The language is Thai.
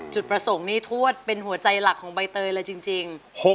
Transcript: จุดประสงค์นี้ทวดเป็นหัวใจหลักของใบเตยเลยจริง